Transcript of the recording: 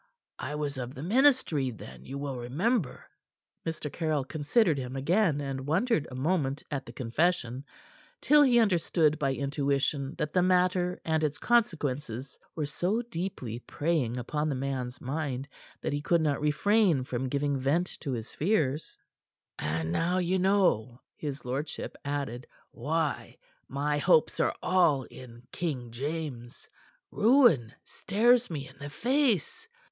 I was of the ministry, then, you will remember." Mr. Caryll considered him again, and wondered a moment at the confession, till he understood by intuition that the matter and its consequences were so deeply preying upon the man's mind that he could not refrain from giving vent to his fears. "And now you know," his lordship added, "why my hopes are all in King James. Ruin stares me in the face.